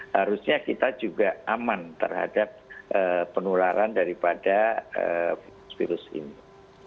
harusnya kita juga aman terhadap penularan daripada virus ini